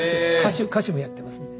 歌手もやってますんで。